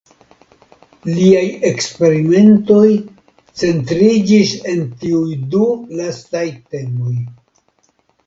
Liaj eksperimentoj centriĝis en tiuj du lastaj temoj.